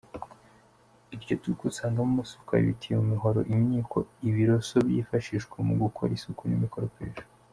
Iryo duka usangamo amasuka, ibitiyo, imihoro, imyiko, ibiroso byifashishwa mu gukora isuku n’imikoropesho.